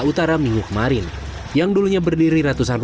udah sama baju yang nempel